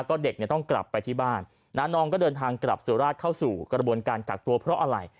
ก็เด็กเนี่ยต้องกลับไปที่บ้านน้องก็เดินทางกลับสุราชเข้าสู่กระบวนการกักตัวเพราะอะไร